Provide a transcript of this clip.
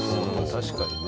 確かにね。